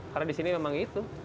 karena di sini memang itu